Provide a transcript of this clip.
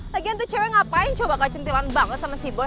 lagian tuh cewek ngapain coba kecentilan banget sama si bo